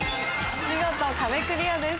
見事壁クリアです。